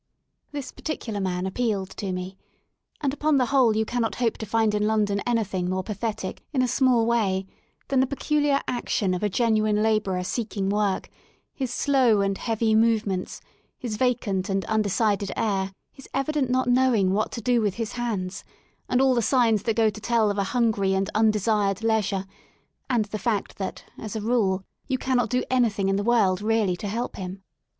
This particular man appealed to me — and upon the whole you cannot hope to find in London anything much more pathetic, in a small way, than the peculiar action" of a genuine labourer seeking work, his slow and heavy movements^ his vacant and undecided air, his evident not knowing what to do with his hands, and all the signs that go to tell of a hungry and undesired leisure, and the fact that, as a rule, you cannot do anything in the world really to help him.